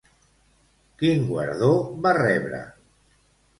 Quin guardó va rebre?